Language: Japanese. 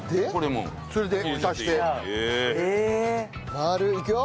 回る？いくよ？